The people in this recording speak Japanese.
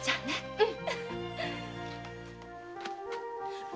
うん。